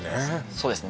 そうですね